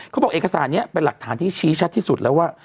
เขาบอกเอกสารนี้เป็นหลักฐานที่ชี้ชัดที่สุดแล้วว่า